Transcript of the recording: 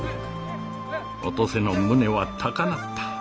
お登勢の胸は高鳴った。